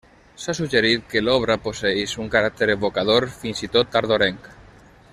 S'ha suggerit que l'obra posseeix un caràcter evocador, fins i tot tardorenc.